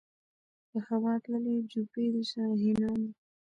په هوا تللې جوپې د شاهینانو